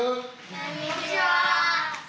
こんにちは！